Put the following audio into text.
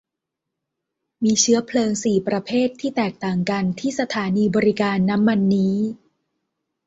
มีเชื้อเพลิงสี่ประเภทที่แตกต่างกันที่สถานีบริการน้ำมันนี้